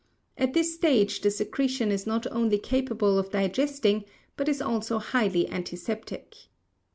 At this stage the secretion is not only capable of digesting but is also highly antiseptic.